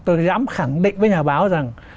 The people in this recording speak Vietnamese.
tôi dám khẳng định với nhà báo rằng